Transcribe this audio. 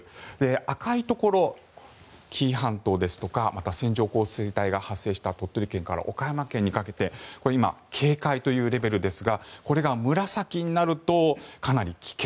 赤いところ、紀伊半島ですとか線状降水帯が発生した鳥取県から岡山県にかけて今、警戒というレベルですがこれが紫になると、かなり危険。